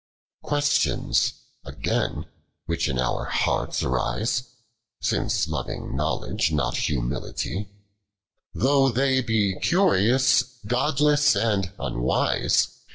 9. Questions again, which in our hearts arise, — Since loving knowledge, not humility — Though they he curious, godless, and unwise.